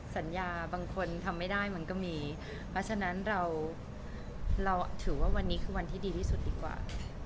สัญญาบางคนทำไม่ได้มันก็มีเพราะฉะนั้นเราถือว่าวันนี้คือวันที่ดีที่สุดดีกว่า